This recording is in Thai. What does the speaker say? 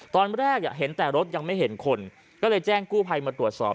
ตอนแรกเห็นแต่รถยังไม่เห็นคนก็เลยแจ้งกู้ภัยมาตรวจสอบ